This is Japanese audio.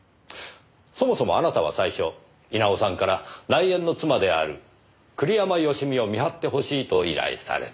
そもそもあなたは最初稲尾さんから内縁の妻である栗山佳美を見張ってほしいと依頼された。